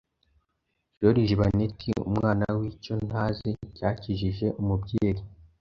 Joriji Baneti, umwana w’icyo ntazi, cyakijije umubyeyi